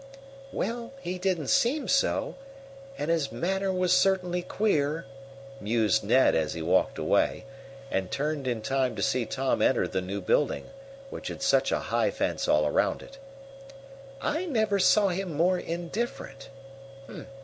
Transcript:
"Well, he didn't seem so, and his manner was certainly queer," mused Ned, as he walked away, and turned in time to see Tom enter the new building, which had such a high fence all around it. "I never saw him more indifferent.